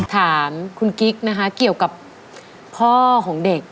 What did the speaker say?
ถามคุณกิ๊กนะคะเกี่ยวกับพ่อของเด็ก